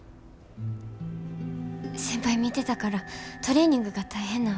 先輩見てたからトレーニングが大変なんは分かってます。